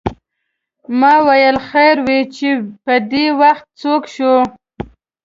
ما ویل خیر وې چې پدې وخت څوک شو.